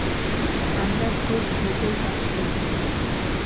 আমরা খুব দ্রুতই কাজ শুরু করব।